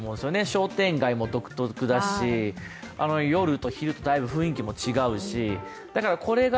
商店街も独特だし、夜と昼とだいぶ雰囲気も違うし、だからこれが